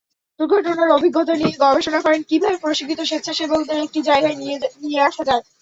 দুর্ঘটনার অভিজ্ঞতা নিয়ে গবেষণা করেন—কীভাবে প্রশিক্ষিত স্বেচ্ছাসেবকদের একটি জায়গায় নিয়ে আসা যায়।